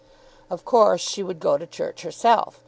Of course she would go to church herself.